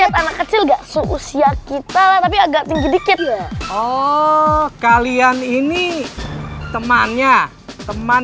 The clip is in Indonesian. lihat anak kecil enggak seusia kita tapi agak tinggi dikit oh kalian ini temannya teman